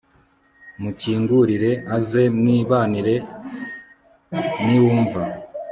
mukingurire aze mwibanire, niwumva